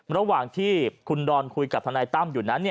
ระหว่างที่คุณดอนคุยกับทนายตั้มอยู่นั้น